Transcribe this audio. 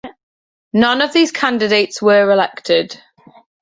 None of these candidates were elected.